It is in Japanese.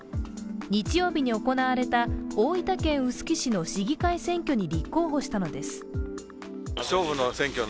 日曜日に行われた大分県臼杵市の市議会選挙に立候補したのです。